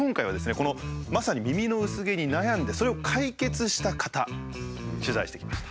このまさに耳の薄毛に悩んでそれを解決した方取材してきました。